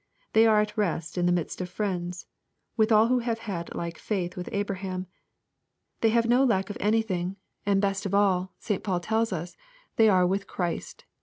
They are at rest in the midst of friends, with all who have had like faith with Abraham. They have no lack of anything. And, 814 EXPOSITORY THOUGHTS. best of all, St, Paul tells us they are '' with Christ.'